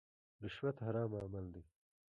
رشوت حرام عمل دی.